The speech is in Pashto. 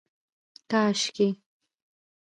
کاشکي